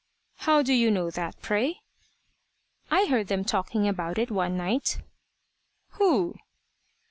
"How do you know that, pray?" "I heard them talking about it one night." "Who?"